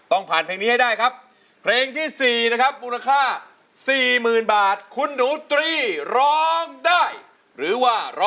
ตัวช่วยของคุณหนูตรีก็คือ